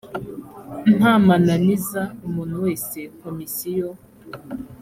nta mananiza umuntu wese komisiyo